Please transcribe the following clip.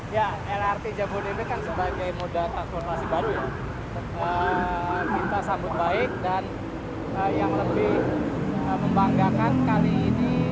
ya lrt jabodetabek kan sebagai moda taktur nasib baru ya kita sambut baik dan yang lebih membanggakan kali ini